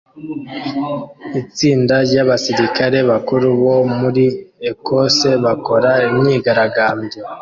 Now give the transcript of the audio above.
Itsinda ryabasirikare bakuru bo muri Ecosse bakora imyigaragambyo